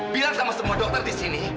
biar sama semua dokter di sini